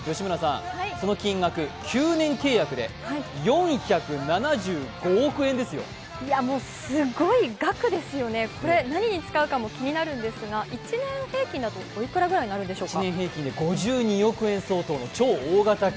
この金額、９年契約で４７５億円ですよすごい額ですよね、これ何に使うかも気になるんですが１年平均だとおいくらぐらいになるんでしょうか。